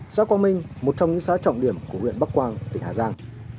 xã quang minh một trong những xã trọng điểm của huyện bắc quang tỉnh hà giang